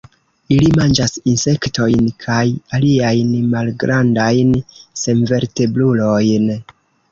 Ili manĝas insektojn kaj aliajn malgrandajn senvertebrulojn.